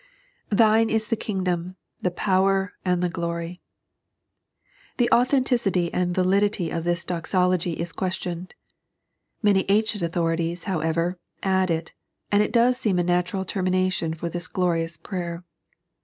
" Thine ts the Kinodou, the Foweh, iks the Olobt." The authenticity and validity of this Dozology is ques tioned. Many ancient authorities, however, add it, and it does seem a natural termination for this glorious prayer.